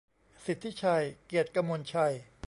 สิทธิชัย เกียรติกมลชัย